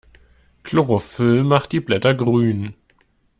Chlorophyll macht die Blätter grün.